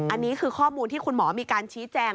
อันนี้คือข้อมูลที่คุณหมอมีการชี้แจง